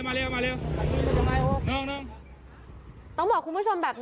เพราะถูกทำร้ายเหมือนการบาดเจ็บเนื้อตัวมีแผลถลอก